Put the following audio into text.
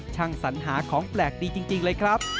สัญหาของแปลกดีจริงเลยครับ